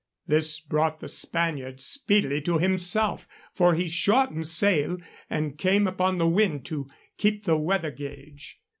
This brought the Spaniard speedily to himself, for he shortened sail and came upon the wind to keep the weather gauge.